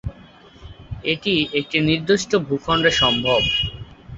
এটি একটি নির্দিষ্ট ভূখণ্ডে সম্ভব।